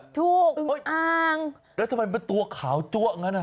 ถูกอึงอ้างแล้วทำไมมันเป็นตัวขาวจัวงั้น